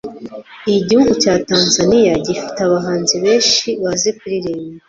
igihugu cya tanzania gifite abahanzi beshi bazi kuririmba